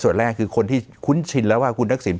ส่วนแรกคือคนที่คุ้นชินแล้วว่าคุณทักษิณ